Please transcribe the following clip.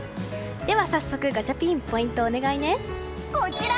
では、さっそくガチャピンポイントお願いね。